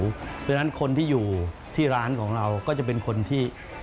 เพราะฉะนั้นคนที่อยู่ที่ร้านของเราก็จะเป็นคนที่